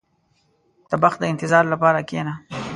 • د بخت د انتظار لپاره کښېنه.